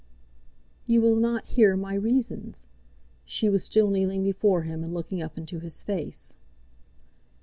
"You will not hear my reasons," she was still kneeling before him and looking up into his face.